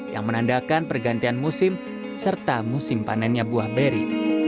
yang menandakan pergantian musim serta musim panennya buah beri